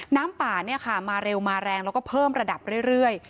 น้ำป่ามาเร็วมาแรงแล้วก็เพิ่มระดับเรื่อย